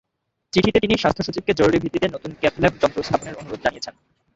চিঠিতে তিনি স্বাস্থ্যসচিবকে জরুরি ভিত্তিতে নতুন ক্যাথল্যাব যন্ত্র স্থাপনের অনুরোধ জানিয়েছেন।